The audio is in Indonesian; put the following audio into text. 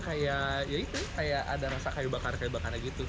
kayak ya itu kayak ada rasa kayu bakar kayu bakarnya gitu